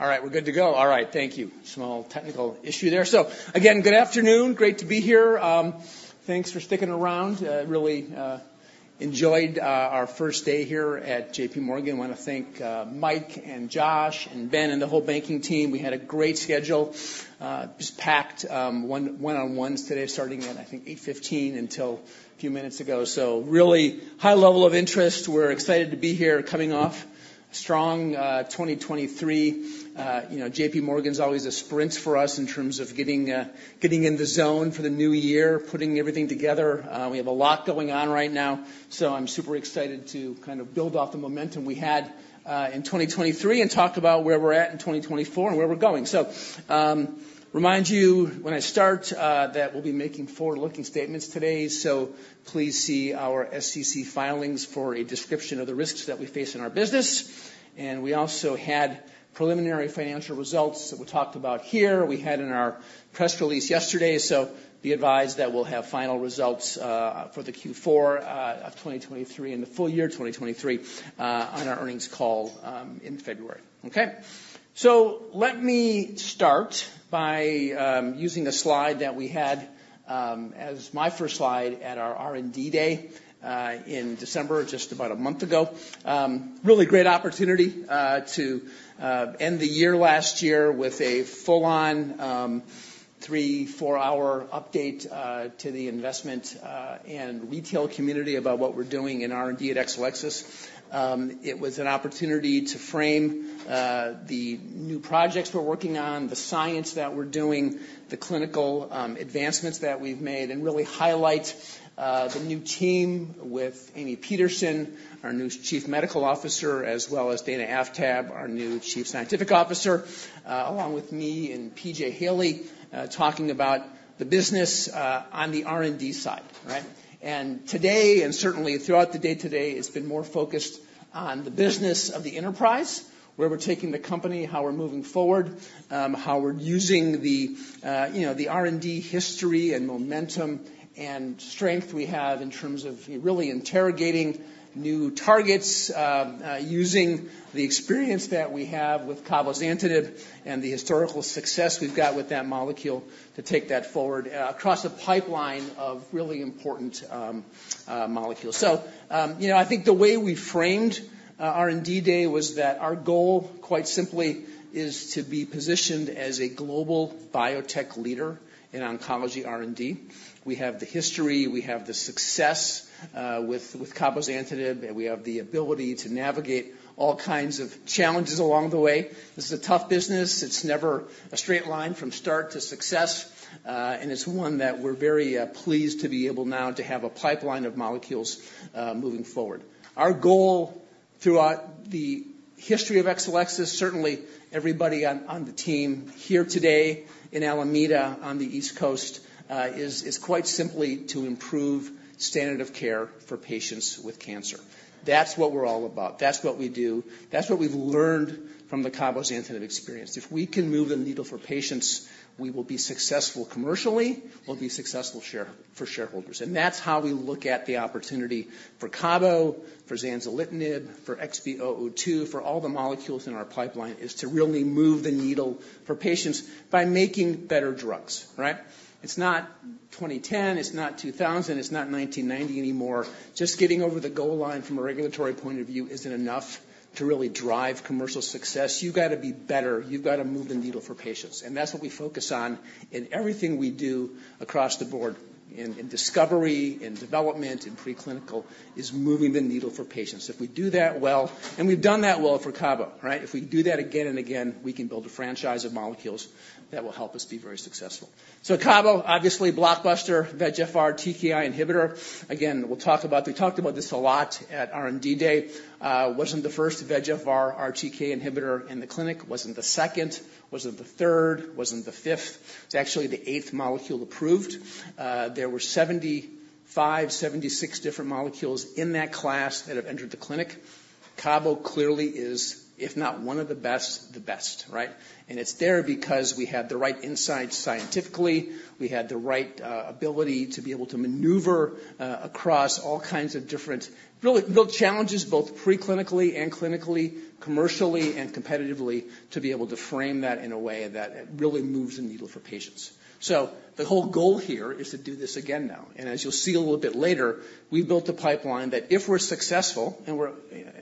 All right, we're good to go. All right, thank you. Small technical issue there. So again, good afternoon. Great to be here. Thanks for sticking around. Really enjoyed our first day here at J.P. Morgan. Wanna thank Mike and Josh and Ben and the whole banking team. We had a great schedule, just packed, one-on-ones today, starting at 8:15 A.M. until a few minutes ago. So really high level of interest. We're excited to be here, coming off a strong 2023. J.P. Morgan's always a sprint for us in terms of getting in the zone for the new year, putting everything together. We have a lot going on right now, so I'm super excited to build off the momentum we had in 2023 and talk about where we're at in 2024 and where we're going. So, remind you, when I start that we'll be making forward-looking statements today, so please see our SEC filings for a description of the risks that we face in our business. And we also had preliminary financial results that we talked about here. We had in our press release yesterday, so be advised that we'll have final results for the Q4 of 2023 and the full year 2023 on our earnings call in February. Okay? So let me start by using a slide that we had as my first slide at our R&D Day in December, just about a month ago. Really great opportunity to end the year last year with a full-on 3-4-hour update to the investment and retail community about what we're doing in R&D at Exelixis. It was an opportunity to frame the new projects we're working on, the science that we're doing, the clinical advancements that we've made, and really highlight the new team with Amy Peterson, our new Chief Medical Officer, as well as Dana Aftab, our new Chief Scientific Officer, along with me, and P.J. Haley, talking about the business on the R&D side. Today, and certainly throughout the day today, it's been more focused on the business of the enterprise, where we're taking the company, how we're moving forward, the R&D history and momentum and strength we have in terms of really interrogating new targets, using the experience that we have with cabozantinib and the historical success we've got with that molecule to take that forward, across a pipeline of really important molecules. So, the way we framed R&D Day was that our goal, quite simply, is to be positioned as a global biotech leader in oncology R&D. We have the history, we have the success with cabozantinib, and we have the ability to navigate all kinds of challenges along the way. This is a tough business. It's never a straight line from start to success, and it's one that we're very pleased to be able now to have a pipeline of molecules moving forward. Our goal throughout the history of Exelixis, certainly everybody on the team here today in Alameda on the East Coast, is quite simply to improve standard of care for patients with cancer. That's what we're all about. That's what we do. That's what we've learned from the cabozantinib experience. If we can move the needle for patients, we will be successful commercially, we'll be successful for shareholders. And that's how we look at the opportunity for Cabo, for zanzalintinib, for XB002, for all the molecules in our pipeline, is to really move the needle for patients by making better drugs. It's not 2010, it's not 2000, it's not 1990 anymore. Just getting over the goal line from a regulatory point of view isn't enough to really drive commercial success. You've got to be better. You've got to move the needle for patients, and that's what we focus on in everything we do across the board, in discovery, in development, in preclinical, is moving the needle for patients. If we do that well... And we've done that well for Cabo. If we do that again and again, we can build a franchise of molecules that will help us be very successful. So Cabo, obviously, blockbuster, VEGFR-TKI inhibitor. Again, we'll talk about... We talked about this a lot at R&D Day. Wasn't the first VEGFR-TKI inhibitor in the clinic, wasn't the second, wasn't the third, wasn't the fifth. It's actually the eighth molecule approved. There were 75, 76 different molecules in that class that have entered the clinic. Cabo clearly is, if not one of the best, the best. It's there because we had the right insight scientifically. We had the right ability to be able to maneuver across all kinds of different, real-world challenges, both pre-clinically and clinically, commercially and competitively, to be able to frame that in a way that it really moves the needle for patients. The whole goal here is to do this again now, and as you'll see a little bit later, we've built a pipeline that if we're successful, and we're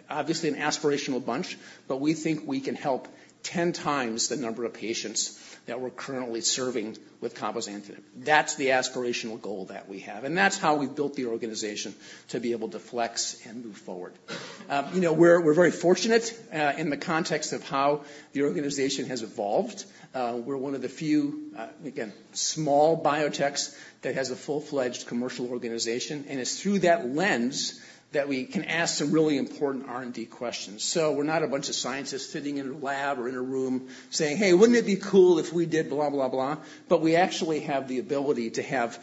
obviously an aspirational bunch, but we think we can help 10 times the number of patients that we're currently serving with cabozantinib. That's the aspirational goal that we have, and that's how we've built the organization to be able to flex and move forward. We're very fortunate in the context of how the organization has evolved. We're one of the few, again, small biotechs that has a full-fledged commercial organization, and it's through that lens that we can ask some really important R&D questions. So we're not a bunch of scientists sitting in a lab or in a room saying, "Hey, wouldn't it be cool if we did blah, blah, blah?" But we actually have the ability to have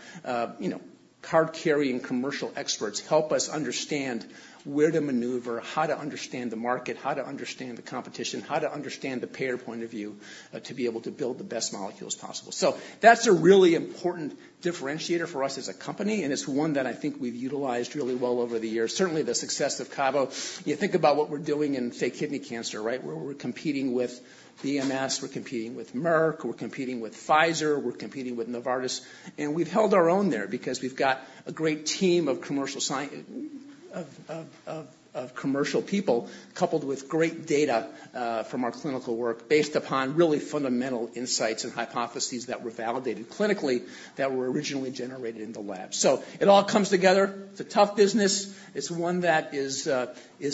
card-carrying commercial experts help us understand where to maneuver, how to understand the market, how to understand the competition, how to understand the payer point of view, to be able to build the best molecules possible. So that's a really important differentiator for us as a company, and it's one that we've utilized really well over the years. Certainly, the success of Cabo. You think about what we're doing in, say, kidney cancer, right, where we're competing with BMS, we're competing with Merck, we're competing with Pfizer, we're competing with Novartis, and we've held our own there because we've got a great team of commercial people, coupled with great data from our clinical work, based upon really fundamental insights and hypotheses that were validated clinically, that were originally generated in the lab. So it all comes together. It's a tough business. It's one that is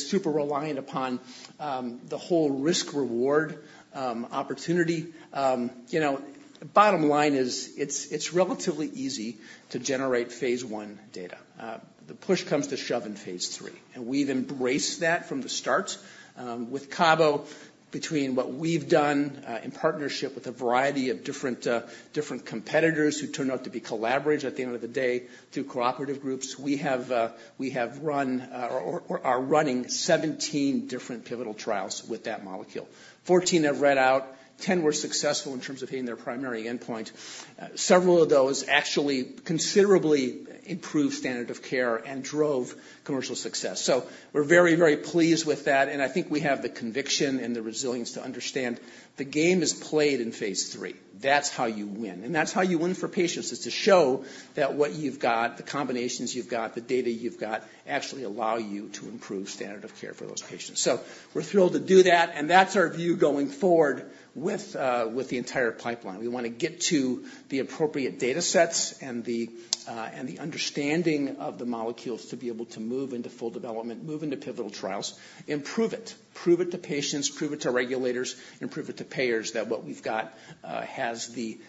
super reliant upon the whole risk-reward opportunity. Bottom line is, it's relatively easy to generate phase I data. The push comes to shove in phase III, and we've embraced that from the start. With Cabo, between what we've done in partnership with a variety of different competitors who turned out to be collaborators at the end of the day, through cooperative groups, we have run or are running 17 different pivotal trials with that molecule. 14 have read out, 10 were successful in terms of hitting their primary endpoint. Several of those actually considerably improved standard of care and drove commercial success. So we're very, very pleased with that, and we have the conviction and the resilience to understand the game is played in phase III. That's how you win. That's how you win for patients, is to show that what you've got, the combinations you've got, the data you've got, actually allow you to improve standard of care for those patients. So we're thrilled to do that, and that's our view going forward with the entire pipeline. We wanna get to the appropriate datasets and the understanding of the molecules to be able to move into full development, move into pivotal trials, and prove it. Prove it to patients, prove it to regulators, and prove it to payers, that what we've got has the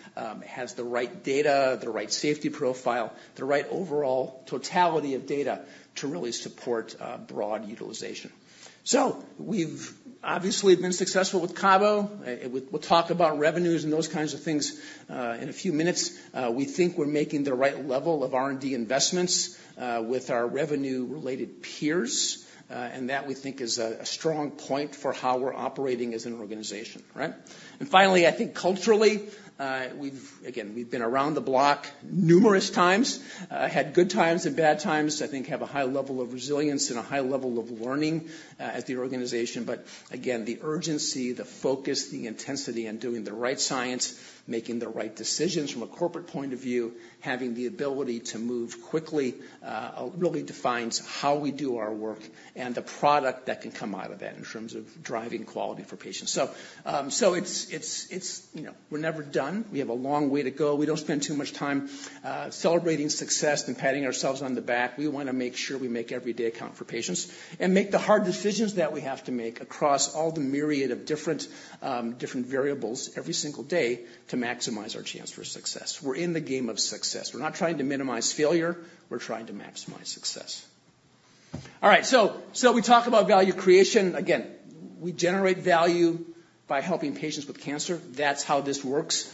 right data, the right safety profile, the right overall totality of data to really support broad utilization. So we've obviously been successful with Cabo. We'll talk about revenues and those kinds of things in a few minutes. We think we're making the right level of R&D investments with our revenue-related peers, and that we think is a strong point for how we're operating as an organization. And finally, culturally, we've... Again, we've been around the block numerous times, had good times and bad times. I think have a high level of resilience and a high level of learning as the organization. But again, the urgency, the focus, the intensity in doing the right science, making the right decisions from a corporate point of view, having the ability to move quickly, really defines how we do our work and the product that can come out of that in terms of driving quality for patients. So, it's we're never done. We have a long way to go. We don't spend too much time celebrating success and patting ourselves on the back. We wanna make sure we make every day count for patients and make the hard decisions that we have to make across all the myriad of different variables every single day to maximize our chance for success. We're in the game of success. We're not trying to minimize failure, we're trying to maximize success. All right, so, so we talk about value creation. Again, we generate value by helping patients with cancer. That's how this works.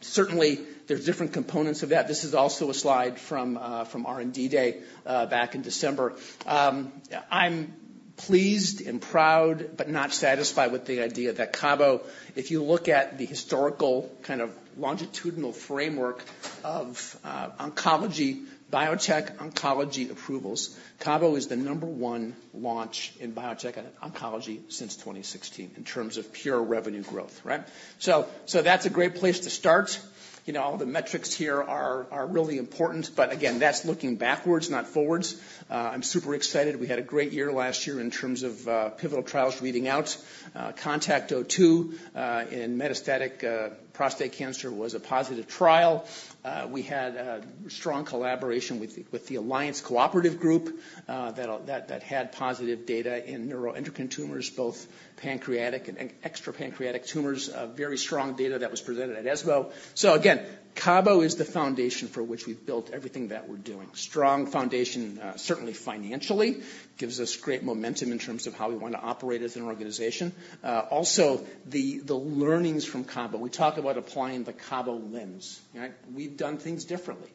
Certainly, there's different components of that. This is also a slide from from R&D Day back in December. I'm pleased and proud, but not satisfied with the idea that Cabo, if you look at the historical kind of longitudinal framework of oncology, biotech oncology approvals, Cabo is the number one launch in biotech and oncology since 2016 in terms of pure revenue growth. So that's a great place to start. All the metrics here are really important, but again, that's looking backwards, not forwards. I'm super excited. We had a great year last year in terms of pivotal trials reading out. CONTACT-02 in metastatic prostate cancer was a positive trial. We had a strong collaboration with the Alliance Cooperative Group that had positive data in neuroendocrine tumors, both pancreatic and extra-pancreatic tumors. A very strong data that was presented at ESMO. So again, Cabo is the foundation for which we've built everything that we're doing. Strong foundation, certainly financially, gives us great momentum in terms of how we want to operate as an organization. Also, the learnings from Cabo. We talk about applying the Cabo lens. We've done things differently.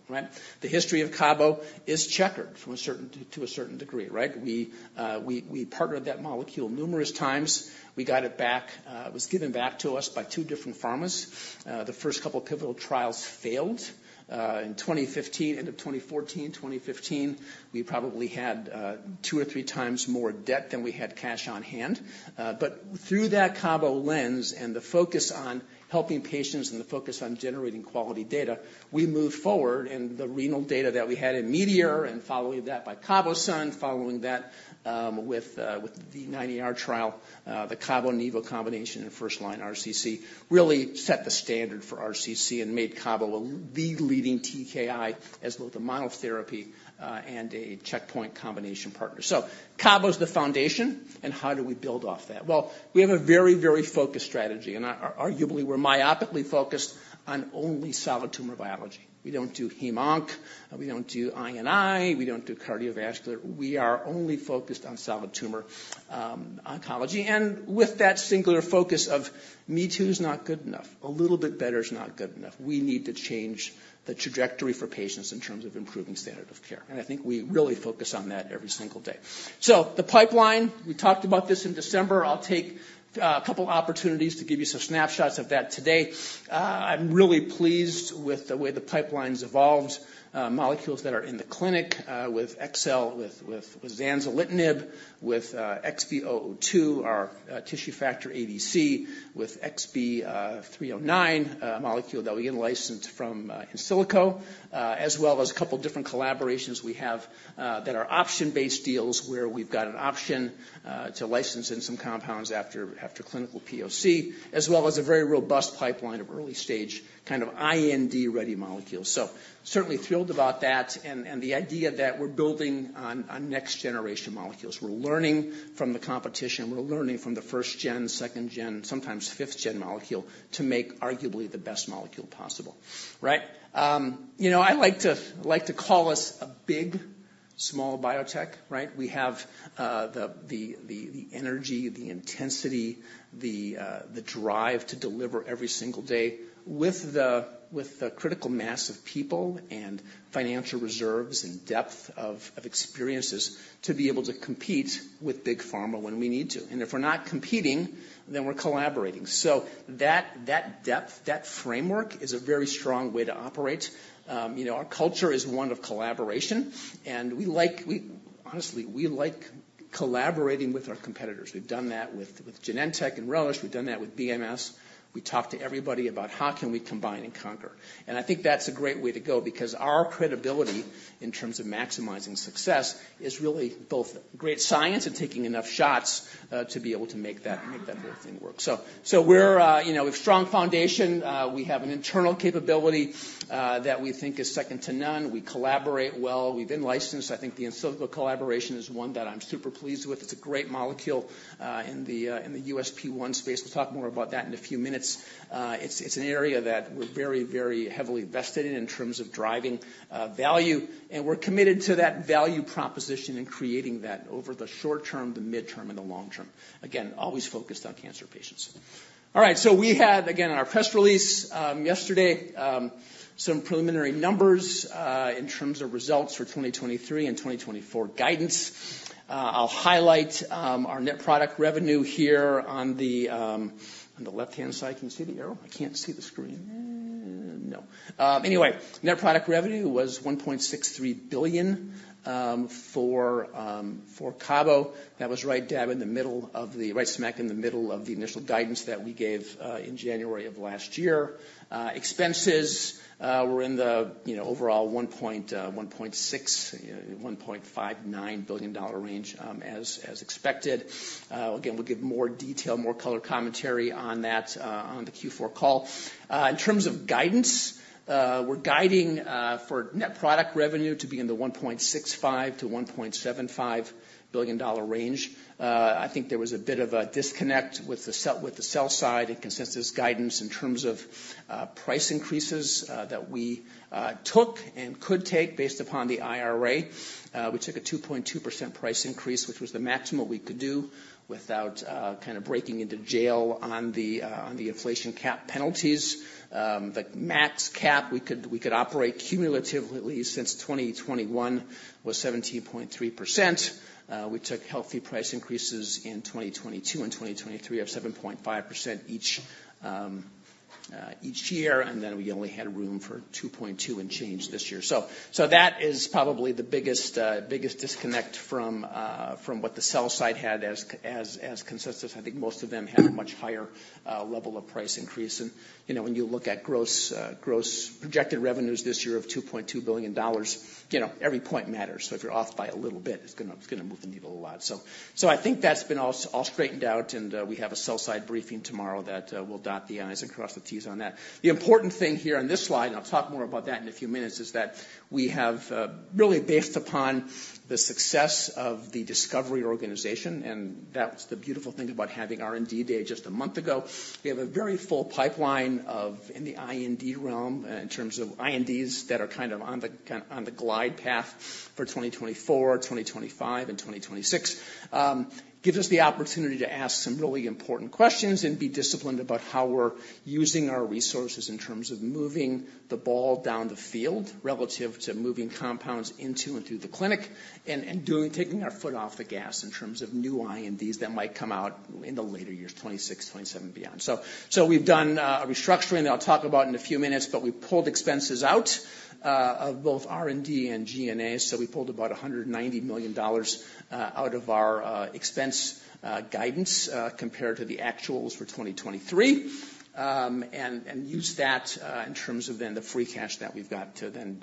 The history of Cabo is checkered from a certain to a certain degree. We partnered that molecule numerous times. We got it back, it was given back to us by two different pharmas. The first couple of pivotal trials failed.... in 2015, end of 2014, 2015, we probably had two or three times more debt than we had cash on hand. But through that Cabo lens and the focus on helping patients and the focus on generating quality data, we moved forward, and the renal data that we had in METEOR, and following that by CABOSUN, following that with the CheckMate 9ER trial, the Cabo-nivo combination in first-line RCC really set the standard for RCC and made Cabo the leading TKI as both a monotherapy and a checkpoint combination partner. So Cabo is the foundation, and how do we build off that? Well, we have a very, very focused strategy, and arguably, we're myopically focused on only solid tumor biology. We don't do hemonc, and we don't do I&I, we don't do cardiovascular. We are only focused on solid tumor oncology. And with that singular focus, me too is not good enough, a little bit better is not good enough. We need to change the trajectory for patients in terms of improving standard of care, and we really focus on that every single day. So the pipeline, we talked about this in December. I'll take a couple opportunities to give you some snapshots of that today. I'm really pleased with the way the pipeline's evolved, molecules that are in the clinic, with Exel, with zanzalintinib, with XB002, our tissue factor ADC, with XL309, a molecule that we in-licensed from Insilico, as well as a couple different collaborations we have, that are option-based deals, where we've got an option to license in some compounds after clinical POC, as well as a very robust pipeline of early-stage, IND-ready molecules. So certainly thrilled about that and the idea that we're building on next-generation molecules. We're learning from the competition, we're learning from the first-gen, second-gen, sometimes fifth-gen molecule to make arguably the best molecule possible. I like to call us a big, small biotech. We have the energy, the intensity, the drive to deliver every single day with the critical mass of people and financial reserves and depth of experiences to be able to compete with Big Pharma when we need to. And if we're not competing, then we're collaborating. So that depth, that framework is a very strong way to operate. Our culture is one of collaboration, and we like, honestly, we like collaborating with our competitors. We've done that with Genentech and Roche. We've done that with BMS. We talk to everybody about how can we combine and conquer. And that's a great way to go because our credibility in terms of maximizing success is really both great science and taking enough shots to be able to make that whole thing work. So we're a strong foundation. We have an internal capability that we think is second to none. We collaborate well. We've in-licensed. The Insilico collaboration is one that I'm super pleased with. It's a great molecule in the USP1 space. We'll talk more about that in a few minutes. It's an area that we're very, very heavily vested in, in terms of driving value, and we're committed to that value proposition and creating that over the short term, the midterm, and the long term. Again, always focused on cancer patients. All right, so we had, again, in our press release yesterday some preliminary numbers in terms of results for 2023 and 2024 guidance. I'll highlight our net product revenue here on the left-hand side. Can you see the arrow? I can't see the screen. No. Anyway, net product revenue was $1.63 billion for Cabo. That was right dab in the middle of the... right smack in the middle of the initial guidance that we gave in January of last year. Expenses were in the overall $1.59 billion range, as expected. Again, we'll give more detail, more color commentary on that, on the Q4 call. In terms of guidance, we're guiding for net product revenue to be in the $1.65-$1.75 billion range. There was a bit of a disconnect with the sell side and consensus guidance in terms of price increases that we took and could take based upon the IRA. We took a 2.2% price increase, which was the maximum we could do, without breaking into jail on the inflation cap penalties. The max cap we could operate cumulatively since 2021 was 17.3%. We took healthy price increases in 2022 and 2023 of 7.5% each year, and then we only had room for 2.2 and change this year. So that is probably the biggest disconnect from what the sell side had as consensus. Most of them had a much higher level of price increase. And when you look at gross projected revenues this year of $2.2 billion, every point matters. So if you're off by a little bit, it's gonna move the needle a lot. That's been all straightened out, and we have a sell-side briefing tomorrow that will dot the I's and cross the T's on that. The important thing here on this slide, and I'll talk more about that in a few minutes, is that we have really based upon the success of the discovery organization, and that's the beautiful thing about having R&D Day just a month ago. We have a very full pipeline of in the IND realm, in terms of INDs that are on the glide path for 2024, 2025, and 2026. Gives us the opportunity to ask some really important questions and be disciplined about how we're using our resources in terms of moving the ball down the field relative to moving compounds into and through the clinic. Taking our foot off the gas in terms of new INDs that might come out in the later years, 2026, 2027, and beyond. So we've done a restructuring that I'll talk about in a few minutes, but we pulled expenses out of both R&D and G&A. So we pulled about $190 million out of our expense guidance compared to the actuals for 2023. And used that in terms of then the free cash that we've got to then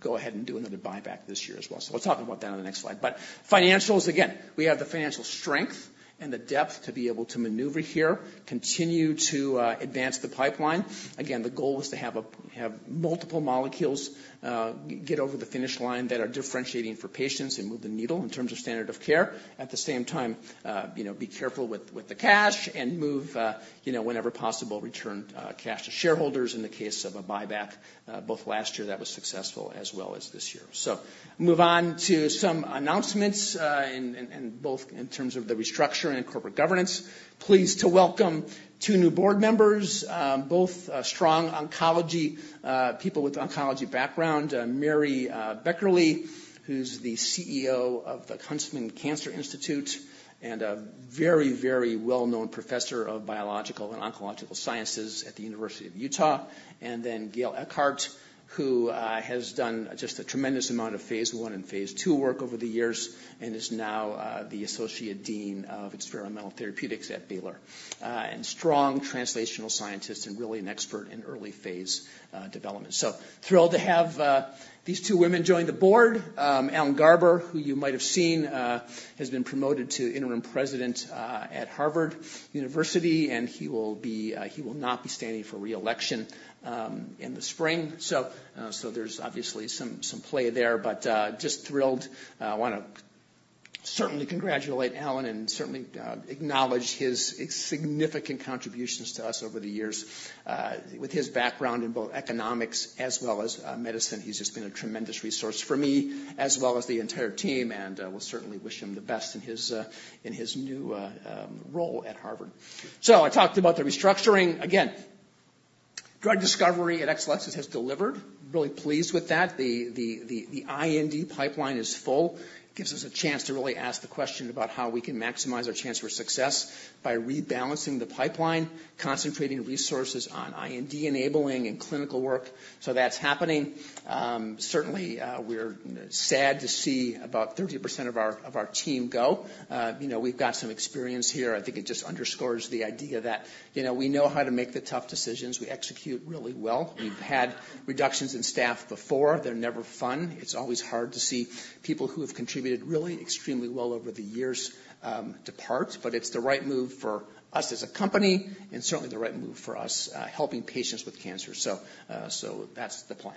go ahead and do another buyback this year as well. So I'll talk about that on the next slide. But financials, again, we have the financial strength and the depth to be able to maneuver here, continue to advance the pipeline. Again, the goal is to have have multiple molecules get over the finish line that are differentiating for patients and move the needle in terms of standard of care. At the same time be careful with the cash and move whenever possible, return cash to shareholders in the case of a buyback, both last year that was successful, as well as this year. So move on to some announcements, and both in terms of the restructuring and corporate governance. Pleased to welcome two new board members, both strong oncology people with oncology background. Mary Beckerle, who's the CEO of the Huntsman Cancer Institute, and a very, very well-known professor of biological and oncological sciences at the University of Utah. And then Gail Eckhardt, who has done just a tremendous amount of phase one and phase two work over the years and is now the Associate Dean of experimental therapeutics at Baylor. And strong translational scientist and really an expert in early phase development. So thrilled to have these two women join the board. Alan Garber, who you might have seen has been promoted to Interim President at Harvard University, and he will not be standing for re-election in the spring. So there's obviously some play there, but just thrilled. I want to certainly congratulate Alan and certainly acknowledge his significant contributions to us over the years. With his background in both economics as well as medicine, he's just been a tremendous resource for me, as well as the entire team, and we certainly wish him the best in his new role at Harvard. I talked about the restructuring. Again, drug discovery at Exelixis has delivered. Really pleased with that. The IND pipeline is full, gives us a chance to really ask the question about how we can maximize our chance for success by rebalancing the pipeline, concentrating resources on IND enabling and clinical work. So that's happening. Certainly, we're sad to see about 30% of our team go. We've got some experience here. It just underscores the idea that we know how to make the tough decisions. We execute really well. We've had reductions in staff before. They're never fun. It's always hard to see people who have contributed really extremely well over the years, depart, but it's the right move for us as a company and certainly the right move for us, helping patients with cancer. So, so that's the plan.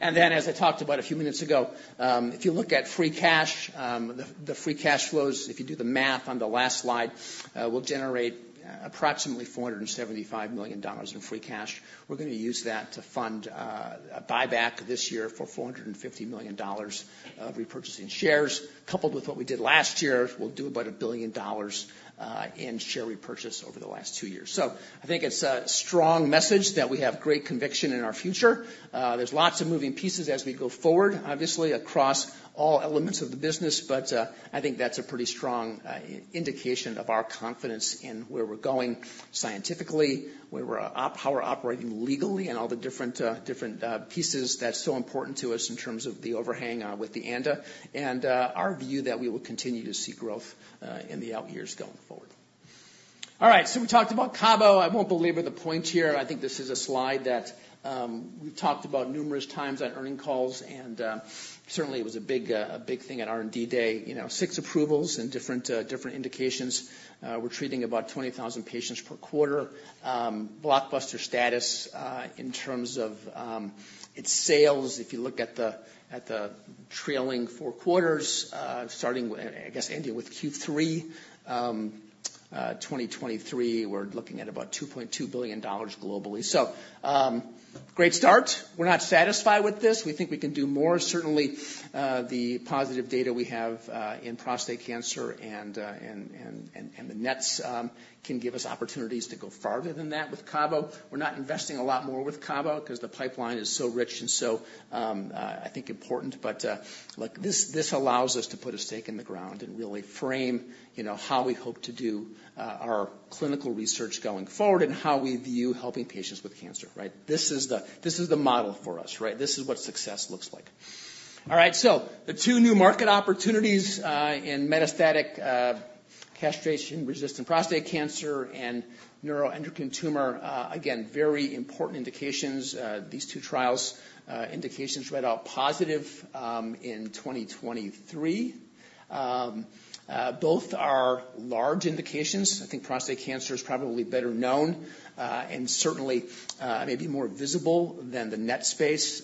And then, as I talked about a few minutes ago, if you look at free cash, the, the free cash flows, if you do the math on the last slide, we'll generate approximately $475 million in free cash. We're gonna use that to fund, a buyback this year for $450 million of repurchasing shares. Coupled with what we did last year, we'll do about $1 billion in share repurchase over the last two years. It's a strong message that we have great conviction in our future. There's lots of moving pieces as we go forward, obviously, across all elements of the business, but that's a pretty strong indication of our confidence in where we're going scientifically, how we're operating legally, and all the different, different pieces that's so important to us in terms of the overhang with the ANDA, and our view that we will continue to see growth in the out years going forward. All right, so we talked about CABOMETYX. I won't belabor the point here. This is a slide that we've talked about numerous times on earnings calls, and certainly, it was a big, a big thing at R&D Day. Six approvals in different, different indications. We're treating about 20,000 patients per quarter. Blockbuster status in terms of its sales. If you look at the trailing four quarters, starting with, I guess, ending with Q3 2023, we're looking at about $2.2 billion globally. So, great start. We're not satisfied with this. We think we can do more. Certainly, the positive data we have in prostate cancer and the NETs can give us opportunities to go farther than that with Cabo. We're not investing a lot more with Cabo because the pipeline is so rich and so important. But, look, this, this allows us to put a stake in the ground and really frame, how we hope to do, our clinical research going forward and how we view helping patients with cancer. This is the, this is the model for us. This is what success looks like. All right, so the two new market opportunities, in metastatic, castration-resistant prostate cancer and neuroendocrine tumor, again, very important indications. These two trials, indications read out positive, in 2023. Both are large indications. Prostate cancer is probably better known, and certainly, maybe more visible than the NET space.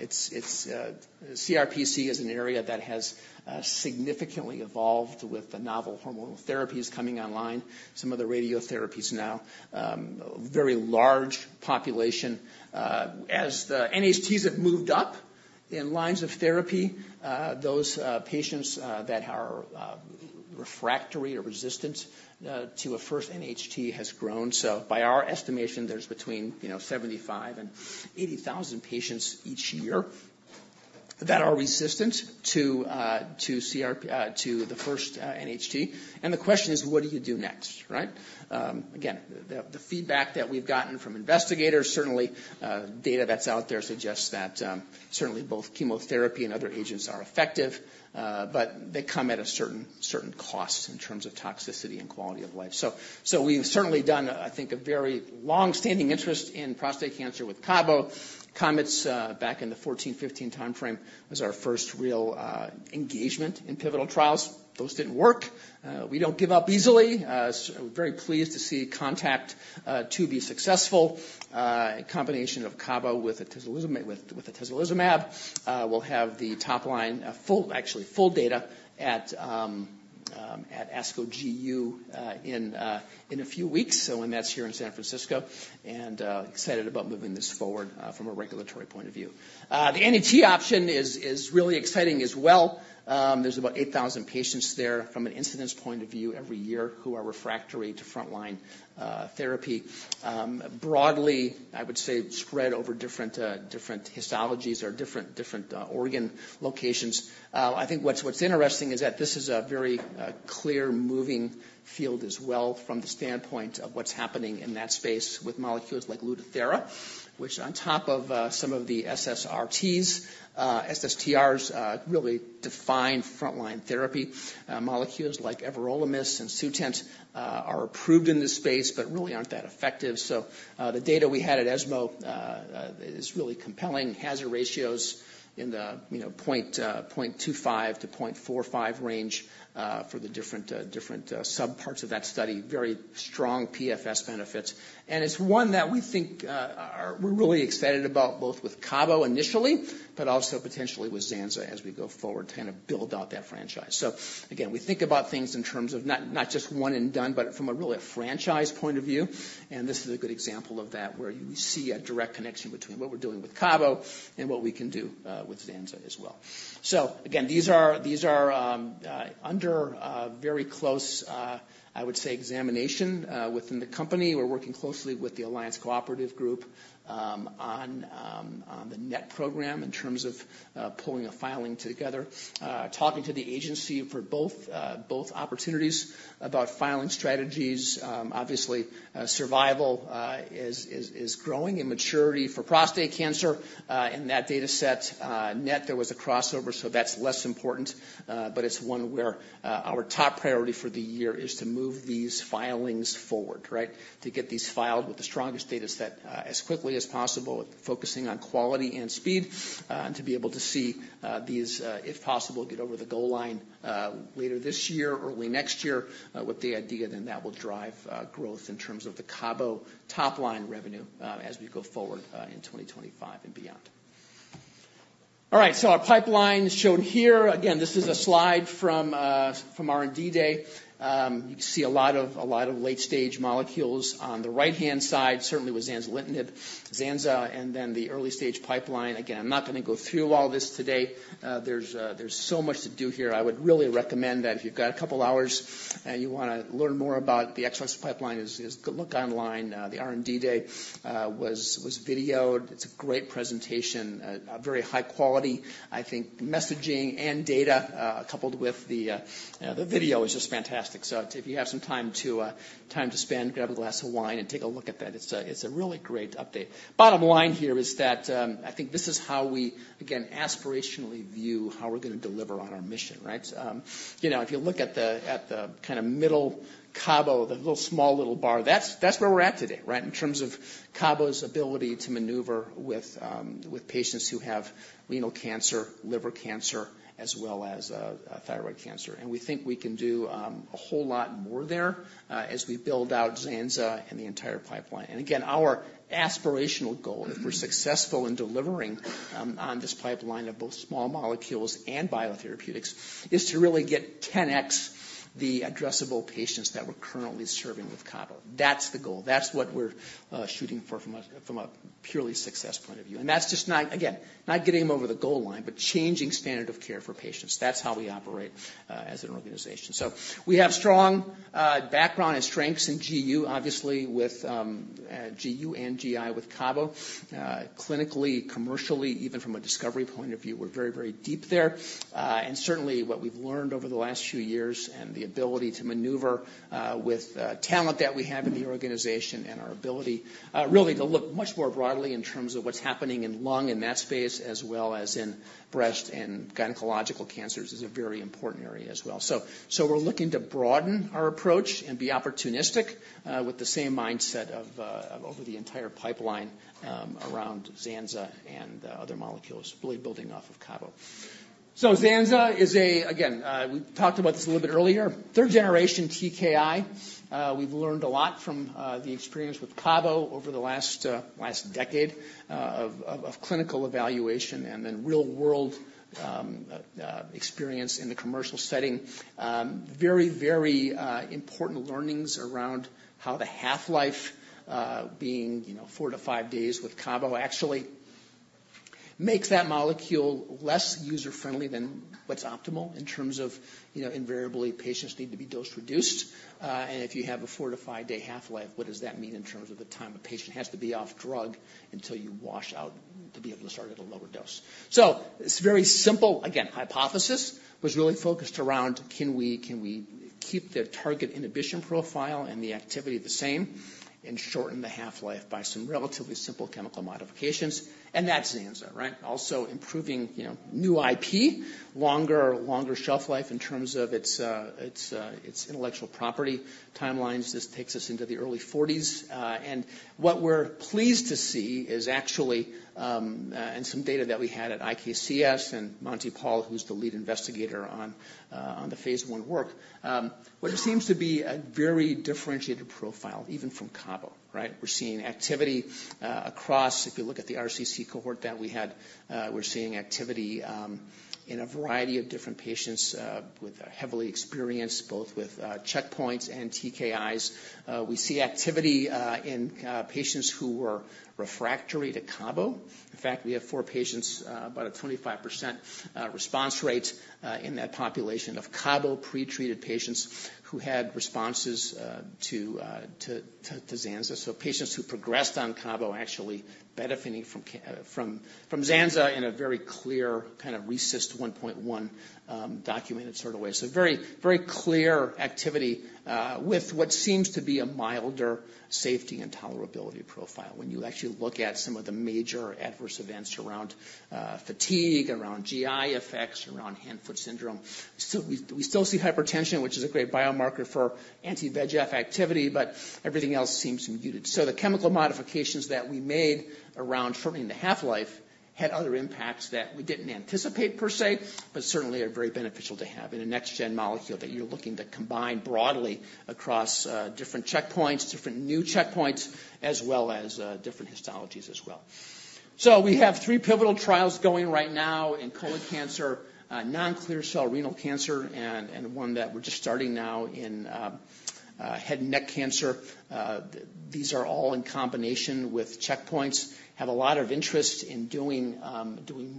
It's, CRPC is an area that has, significantly evolved with the novel hormonal therapies coming online, some of the radiotherapies now. Very large population. As the NHTs have moved up in lines of therapy, those patients that are refractory or resistant to a first NHT has grown. So by our estimation, there's between, 75,000-80,000 patients each year that are resistant to the first NHT. And the question is: What do you do next. Again, the feedback that we've gotten from investigators, certainly, data that's out there suggests that certainly both chemotherapy and other agents are effective, but they come at a certain cost in terms of toxicity and quality of life. So we've certainly done a very long-standing interest in prostate cancer with Cabo. COMETs back in the 2014-2015 timeframe was our first real engagement in pivotal trials. Those didn't work. We don't give up easily. We're very pleased to see CONTACT-02 to be successful. A combination of Cabo with atezolizumab, with atezolizumab, will have the top line, full actually, full data at ASCO GU in a few weeks. So and that's here in San Francisco, and excited about moving this forward from a regulatory point of view. The NET option is really exciting as well. There's about 8,000 patients there from an incidence point of view every year, who are refractory to frontline therapy. Broadly, I would say spread over different histologies or different organ locations. What's interesting is that this is a very clearly moving field as well from the standpoint of what's happening in that space with molecules like Lutathera, which on top of some of the SSTRs really define frontline therapy. Molecules like everolimus and Sutent are approved in this space, but really aren't that effective. So, the data we had at ESMO is really compelling. Hazard ratios in the 0.25-0.45 range for the different subparts of that study, very strong PFS benefits. And it's one that we think we're really excited about, both with Cabo initially, but also potentially with Zanza as we go forward to build out that franchise. So again, we think about things in terms of not, not just one and done, but from a really a franchise point of view, and this is a good example of that, where we see a direct connection between what we're doing with Cabo and what we can do with Zanza as well. So again, these are, these are under very close, I would say, examination within the company. We're working closely with the Alliance Cooperative Group on on the NET program in terms of pulling a filing together. Talking to the agency for both, both opportunities about filing strategies. Obviously, survival is, is, is growing in maturity for prostate cancer. In that dataset, NET, there was a crossover, so that's less important, but it's one where our top priority for the year is to move these filings forward. To get these filed with the strongest dataset as quickly as possible, focusing on quality and speed, and to be able to see these, if possible, get over the goal line later this year or early next year, with the idea then that will drive growth in terms of the Cabo top-line revenue as we go forward in 2025 and beyond. All right, so our pipeline is shown here. Again, this is a slide from R&D Day. You can see a lot of late-stage molecules on the right-hand side, certainly with zanzalintinib, Zanza, and then the early-stage pipeline. Again, I'm not gonna go through all this today. There's so much to do here. I would really recommend that if you've got a couple hours and you wanna learn more about the Exelixis pipeline, look online. The R&D Day was videoed. It's a great presentation, a very high quality, messaging and data, coupled with the video is just fantastic. So if you have some time to spend, grab a glass of wine and take a look at that. It's a really great update. Bottom line here is that, this is how we, again, aspirationally view how we're gonna deliver on our mission. If you look at the middle Cabo, the little small little bar, that's where we're at today. In terms of Cabo's ability to maneuver with with patients who have renal cancer, liver cancer, as well as thyroid cancer. We think we can do a whole lot more there, as we build out Zanza and the entire pipeline. Again, our aspirational goal, if we're successful in delivering on this pipeline of both small molecules and biotherapeutics, is to really get 10x the addressable patients that we're currently serving with Cabo. That's the goal. That's what we're shooting for from a purely success point of view. That's just not, again, not getting them over the goal line, but changing standard of care for patients. That's how we operate as an organization. So we have strong background and strengths in GU, obviously, with GU and GI with Cabo. Clinically, commercially, even from a discovery point of view, we're very, very deep there. And certainly, what we've learned over the last few years and the ability to maneuver with talent that we have in the organization and our ability really to look much more broadly in terms of what's happening in lung, in that space, as well as in breast and gynecological cancers, is a very important area as well. So we're looking to broaden our approach and be opportunistic with the same mindset of over the entire pipeline around Zanza and the other molecules, really building off of Cabo.... So Zanza is a, again, we talked about this a little bit earlier, third-generation TKI. We've learned a lot from the experience with Cabo over the last decade of clinical evaluation and then real-world experience in the commercial setting. Very, very important learnings around how the half-life being, 4-5 days with Cabo actually makes that molecule less user-friendly than what's optimal in terms of invariably, patients need to be dose-reduced. And if you have a 4-5-day half-life, what does that mean in terms of the time a patient has to be off drug until you wash out to be able to start at a lower dose? So it's very simple. Again, hypothesis was really focused around: Can we, can we keep the target inhibition profile and the activity the same and shorten the half-life by some relatively simple chemical modifications? And that's the answer. Also improving new IP, longer shelf life in terms of its intellectual property timelines. This takes us into the early 40s. And what we're pleased to see is actually and some data that we had at IKCS and Sumanta Pal, who's the lead investigator on the phase 1 work. What seems to be a very differentiated profile, even from Cabo. We're seeing activity across... If you look at the RCC cohort that we had, we're seeing activity in a variety of different patients with a heavily experienced, both with checkpoints and TKIs. We see activity in patients who were refractory to Cabo. In fact, we have four patients about a 25% response rate in that population of Cabo-pretreated patients who had responses to Zanza. So patients who progressed on Cabo are actually benefiting from Zanza in a very clear kind of RECIST 1.1 documented sort of way. So very, very clear activity with what seems to be a milder safety and tolerability profile. When you actually look at some of the major adverse events around fatigue, around GI effects, around hand-foot syndrome. So we still see hypertension, which is a great biomarker for anti-VEGF activity, but everything else seems muted. So the chemical modifications that we made around shortening the half-life had other impacts that we didn't anticipate per se, but certainly are very beneficial to have in a next-gen molecule that you're looking to combine broadly across different checkpoints, different new checkpoints, as well as different histologies as well. So we have three pivotal trials going right now in colon cancer, non-clear cell renal cancer, and one that we're just starting now in head and neck cancer. These are all in combination with checkpoints, have a lot of interest in doing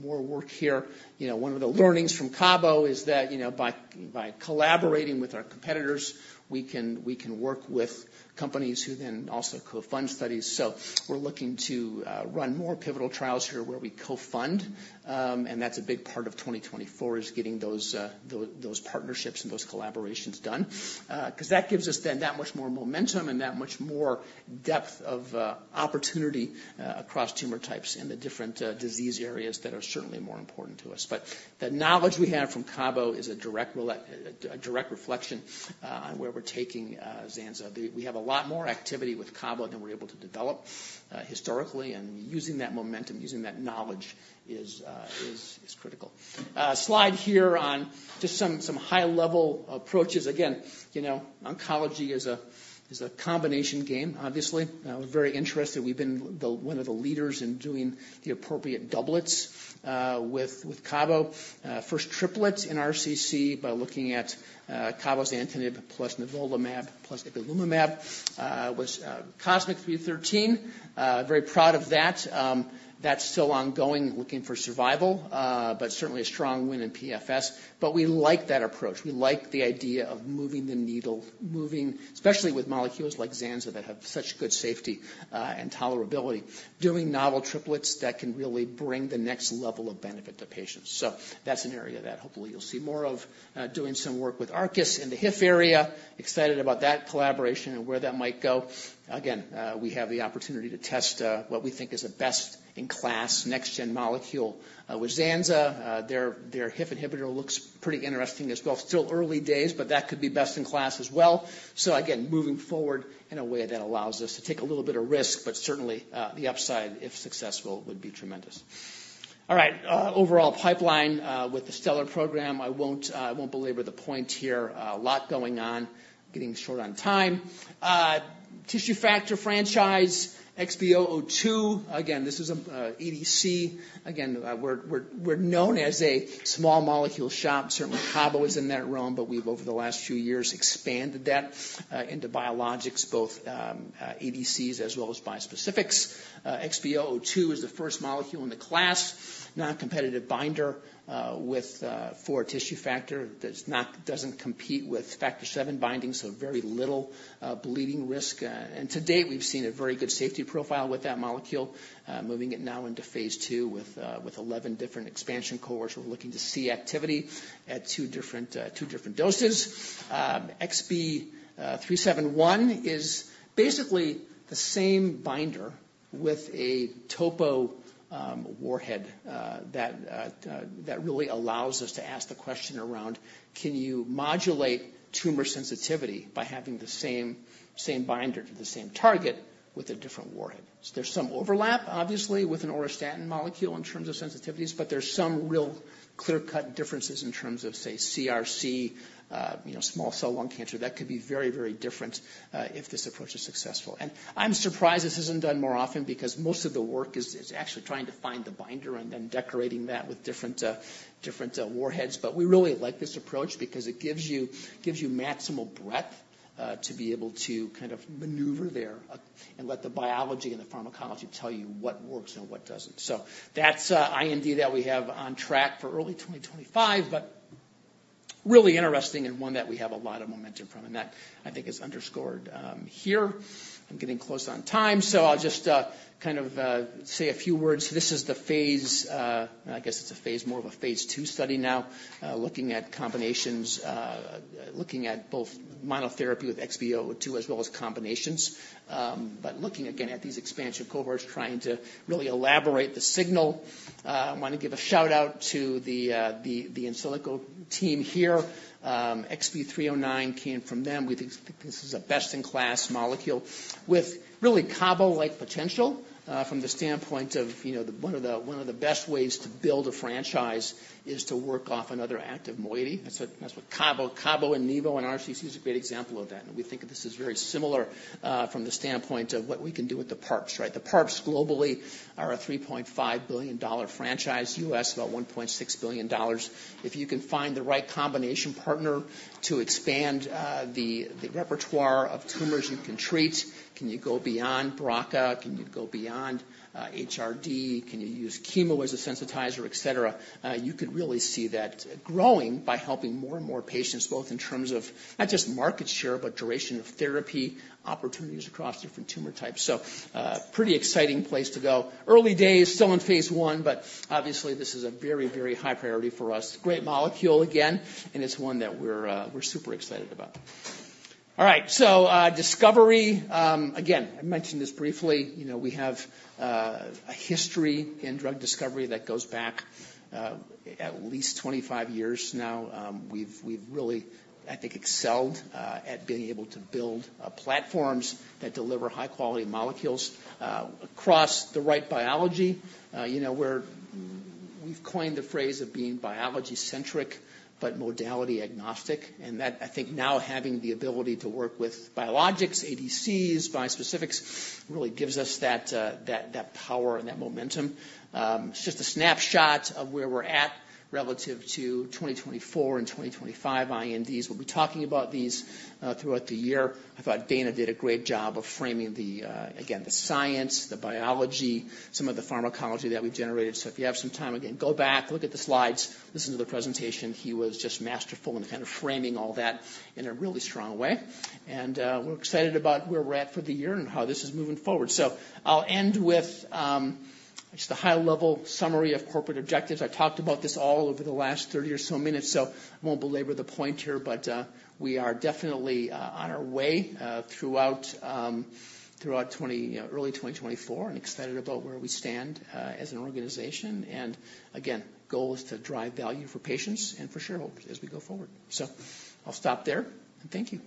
more work here. One of the learnings from Cabo is that by collaborating with our competitors, we can work with companies who then also co-fund studies. So we're looking to run more pivotal trials here where we co-fund, and that's a big part of 2024, is getting those those partnerships and those collaborations done. 'Cause that gives us then that much more momentum and that much more depth of opportunity across tumor types in the different disease areas that are certainly more important to us. But the knowledge we have from Cabo is a direct reflection where we're taking Zanza. We have a lot more activity with Cabo than we're able to develop historically, and using that momentum, using that knowledge is critical. Slide here on just some high-level approaches. Again, oncology is a combination game, obviously. We're very interested. We've been one of the leaders in doing the appropriate doublets with Cabo. First triplets in RCC by looking at cabozantinib plus nivolumab plus ipilimumab was COSMIC-313. Very proud of that. That's still ongoing, looking for survival, but certainly a strong win in PFS. But we like that approach. We like the idea of moving the needle, moving... Especially with molecules like Zanza, that have such good safety and tolerability, doing novel triplets, that can really bring the next level of benefit to patients. So that's an area that hopefully you'll see more of, doing some work with Arcus in the HIF area. Excited about that collaboration and where that might go. Again, we have the opportunity to test what we think is a best-in-class, next-gen molecule. With Zanza, their HIF inhibitor looks pretty interesting as well. Still early days, but that could be best in class as well. So again, moving forward in a way that allows us to take a little bit of risk, but certainly, the upside, if successful, would be tremendous. All right, overall pipeline, with the STELLAR program, I won't belabor the point here. A lot going on, getting short on time. Tissue factor franchise, XB002, again, this is ADC. Again, we're known as a small molecule shop. Certainly, Cabo is in that realm, but we've, over the last few years, expanded that into biologics, both ADCs as well as bispecifics. XB002 is the first molecule in the class, non-competitive binder with for tissue factor that doesn't compete with factor VII binding, so very little bleeding risk. And to date, we've seen a very good safety profile with that molecule, moving it now into phase two with 11 different expansion cohorts. We're looking to see activity at two different doses. XB371 is basically the same binder with a topo warhead that really allows us to ask the question around: Can you modulate tumor sensitivity by having the same binder to the same target with a different warhead. So there's some overlap, obviously, with an auristatin molecule in terms of sensitivities, but there's some real clear-cut differences in terms of, say, CRC, small cell lung cancer. That could be very, very different if this approach is successful. And I'm surprised this isn't done more often because most of the work is actually trying to find the binder and then decorating that with different warheads. But we really like this approach because it gives you maximal breadth to be able to maneuver there and let the biology and the pharmacology tell you what works and what doesn't. So that's IND that we have on track for early 2025, but really interesting and one that we have a lot of momentum from, and that is underscored here. I'm getting close on time, so I'll just say a few words. This is the phase. I guess it's a phase, more of a phase II study now, looking at combinations, looking at both monotherapy with XB002 as well as combinations. But looking again at these expansion cohorts, trying to really elaborate the signal. I wanna give a shout-out to the Insilico team here. XL309 came from them. We think this is a best-in-class molecule with really Cabo-like potential, from the standpoint of, one of the best ways to build a franchise is to work off another active moiety. That's what Cabo, Cabo and nivo and RCC is a great example of that. And we think of this as very similar, from the standpoint of what we can do with the PARPs. The PARPs globally are a $3.5 billion franchise, US, about $1.6 billion. If you can find the right combination partner to expand the repertoire of tumors you can treat, can you go beyond BRCA? Can you go beyond HRD? Can you use chemo as a sensitizer, et cetera? You could really see that growing by helping more and more patients, both in terms of not just market share, but duration of therapy, opportunities across different tumor types. So, pretty exciting place to go. Early days, still in phase I, but obviously this is a very, very high priority for us. Great molecule, again, and it's one that we're super excited about. All right, so, discovery, again, I mentioned this briefly. We have a history in drug discovery that goes back at least 25 years now. We've really excelled at being able to build platforms that deliver high-quality molecules across the right biology. We've coined the phrase of being biology-centric, but modality agnostic, and that now having the ability to work with biologics, ADCs, bispecifics, really gives us that power and that momentum. It's just a snapshot of where we're at relative to 2024 and 2025 INDs. We'll be talking about these throughout the year. I thought Dana did a great job of framing the, again, the science, the biology, some of the pharmacology that we've generated. So if you have some time, again, go back, look at the slides, listen to the presentation. He was just masterful in framing all that in a really strong way. And we're excited about where we're at for the year and how this is moving forward. So I'll end with just a high-level summary of corporate objectives. I talked about this all over the last 30 or so minutes, so I won't belabor the point here, but we are definitely on our way throughout early 2024 and excited about where we stand as an organization. And again, goal is to drive value for patients and for shareholders as we go forward. So I'll stop there, and thank you.